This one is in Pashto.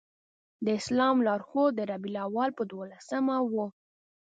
د اسلام لار ښود د ربیع الاول په دولسمه و.